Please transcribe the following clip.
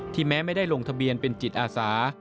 แม้ไม่ได้ลงทะเบียนเป็นจิตอาสา